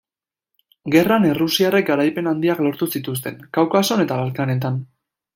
Gerran errusiarrek garaipen handiak lortu zituzten Kaukason eta Balkanetan.